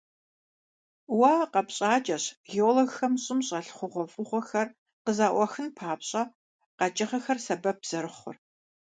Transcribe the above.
Уэ къэпщӀакӀэщ, геологхэм щӀым щӀэлъ хъугъуэфӀыгъуэхэр къызэӀуахын папщӀэ, къэкӀыгъэхэр сэбэп зэрыхъур.